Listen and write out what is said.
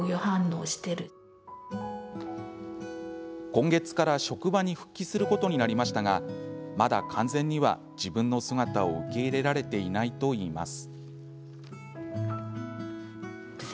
今月から職場に復帰することになりましたがまだ完全には自分の姿を受け入れられていないといいます。